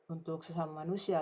untuk sesama manusia